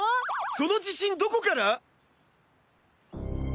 その自信どこから？